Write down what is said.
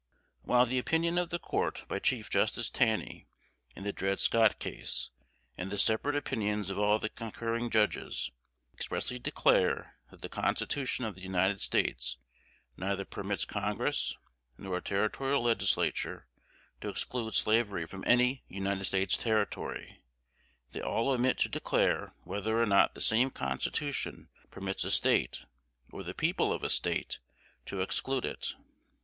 While the opinion of the court by Chief Justice Taney, in the Dred Scott case, and the separate opinions of all the concurring judges, expressly declare that the Constitution of the United States neither permits Congress nor a Territorial Legislature to exclude slavery from any United States Territory, they all omit to declare whether or not the same Constitution permits a State, or the people of a State, to exclude it.